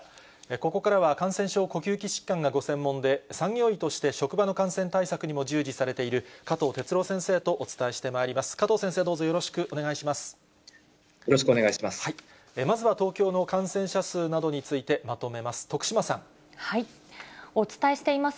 ここからは感染症、呼吸器疾患がご専門で、産業医として職場の感染対策にも従事されている加藤哲朗先生とお伝えしてまいります。